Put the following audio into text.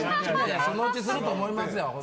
そのうちすると思いますよ。